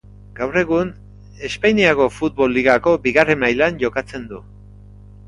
Gaur egun Espainiako futbol ligako bigarren mailan jokatzen du.